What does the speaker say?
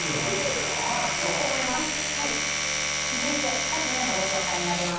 はいあらそう続いて２つ目のご紹介になります